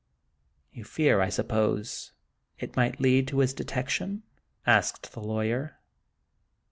" You fear, I suppose, it might lead to his detection," asked the lawyer.